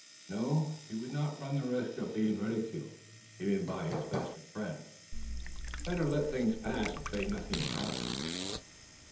No: he would not run the risk of being ridiculed, even by his best of friends. Better let the thing pass, and say nothing about it.